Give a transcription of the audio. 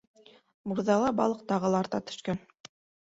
Мурҙала балыҡ тағы ла арта төшкән.